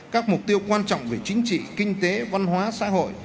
các mục tiêu quan trọng về chính trị kinh tế văn hóa xã hội